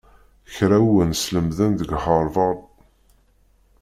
Kra ur wen-t-sslemden deg Havard?